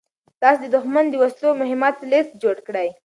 تاسو د دښمن د وسلو او مهماتو لېست جوړ کړئ.